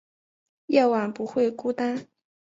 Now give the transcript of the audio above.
夜晚不会孤单